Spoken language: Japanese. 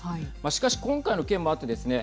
しかし今回の件もあってですね